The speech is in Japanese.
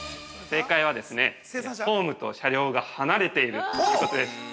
◆正解はですね、ホームと車両が離れているということです。